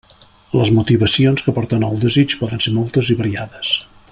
Les motivacions que porten al desig poden ser moltes i variades.